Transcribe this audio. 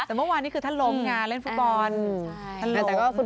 แต่เมื่อวานนี้คือท่านล้มไงเล่นฟุตบอล